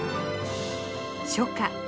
初夏。